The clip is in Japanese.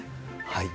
はい。